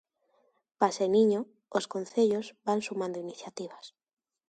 Paseniño, os concellos van sumando iniciativas.